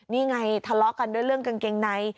นี่ไงทะเลาะกันด้วยเรื่องกางเกงใน